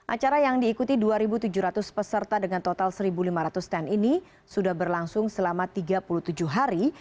acara yang diikuti dua tujuh ratus peserta dengan total satu lima ratus stand ini sudah berlangsung selama tiga puluh tujuh hari